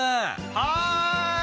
はい！